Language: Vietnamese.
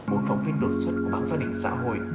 bộ phòng viên đột xuất của báo gia đình xã hội